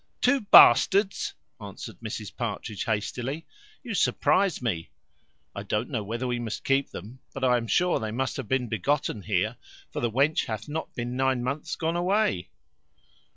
"Two bastards!" answered Mrs Partridge hastily: "you surprize me! I don't know whether we must keep them; but I am sure they must have been begotten here, for the wench hath not been nine months gone away."